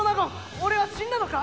俺は死んだのか？